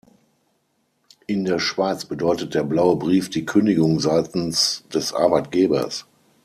In der Schweiz bedeutet der blaue Brief die Kündigung seitens des Arbeitgebers.